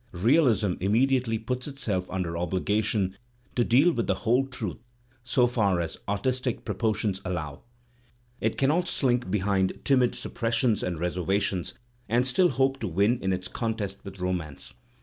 Realism immediately puts i under obligation to deal with the whole truth so far as artistic proportions allow; it cannot slink behind timid suppressions and reservations and still hope to win in its contest with Romance.